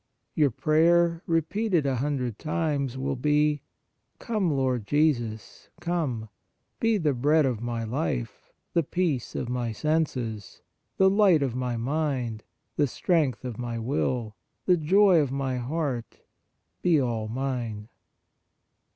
Your prayer, repeated a hundred times, will be :" Come, Lord Jesus, come ; be the Bread of my life, the Peace of my senses, the Light of my mind, the Strength of my will, the Joy of my heart, be all mine."